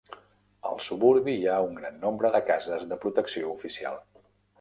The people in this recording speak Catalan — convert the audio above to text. Al suburbi hi ha un gran nombre de cases de protecció oficial.